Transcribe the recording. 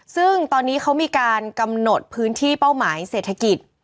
ซึ่งตอนนี้เขามีการกำหนดพื้นที่เป้าหมายเศรษฐกิจ